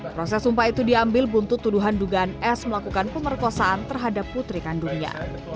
proses sumpah itu diambil buntut tuduhan dugaan s melakukan pemerkosaan terhadap putri kandungnya